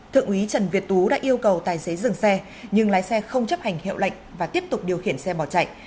thượng úy trần việt tú đã yêu cầu tài xế dừng xe nhưng lái xe không chấp hành hiệu lệnh và tiếp tục điều khiển xe bỏ chạy